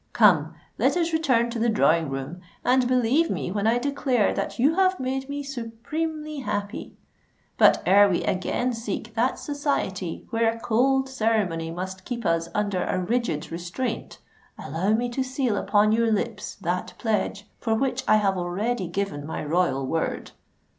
Come—let us return to the drawing room; and believe me when I declare that you have made me supremely happy. But, ere we again seek that society where a cold ceremony must keep us under a rigid restraint, allow me to seal upon your lips that pledge for which I have already given my royal word."